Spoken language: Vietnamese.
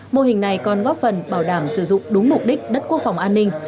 mô hình này còn góp phần bảo đảm sử dụng đúng mục đích đất quốc phòng an ninh